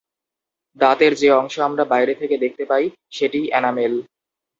দাঁতের যে অংশ আমরা বাইরে থেকে দেখতে পাই সেটিই এনামেল।